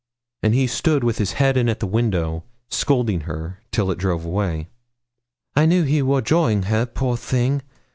And he stood with his head in at the window, scolding her, till it drove away. 'I knew he wor jawing her, poor thing!